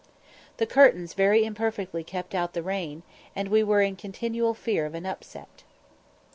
The curtains very imperfectly kept out the rain, and we were in continual fear of an upset.